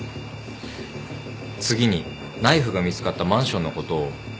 次にナイフが見つかったマンションのことを。